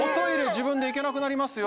自分で行けなくなりますよ